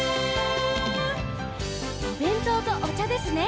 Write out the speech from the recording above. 「おべんとうとおちゃですね